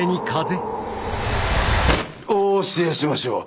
お教えしましょう。